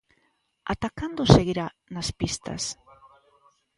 Ata cando seguirá nas pistas?